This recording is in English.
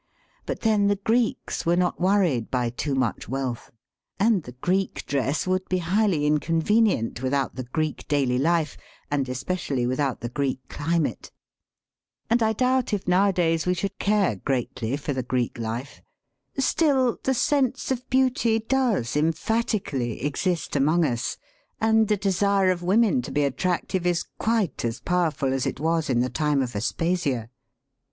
But then the Greeks were not worried by too much wealth. And the Greek dress would be highly inconven ient without the Greek daily life, and especially 94 SELF AND SELF MANAGEMENT^ without the Greek climate. And I doubt if now adays we should care greatly for the Greek life. Still, the sense of beauty does emphatically exist among us, and the desire of women to be attrac tive is quite as powerful as it was in the time of Aspasia.